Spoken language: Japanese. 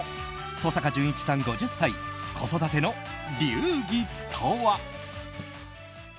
登坂淳一さん、５０歳子育ての流儀とは？